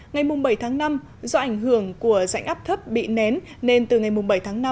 ngày bảy tháng năm do ảnh hưởng của rãnh áp thấp bị nén nên từ ngày bảy tháng năm